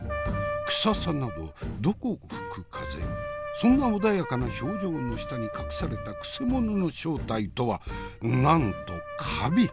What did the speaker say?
クサさなどどこ吹く風そんな穏やかな表情の下に隠されたくせ者の正体とはなんとカビ！